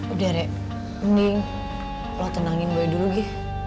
udah re mending lo tenangin gue dulu gi